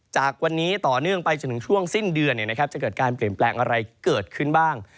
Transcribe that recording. จากวันนี้ต่อเนื่องไปจนถึงช่วงสิ้นเดือนจะเกิดการเปลี่ยนแปลงอะไรเกิดขึ้นบ้าง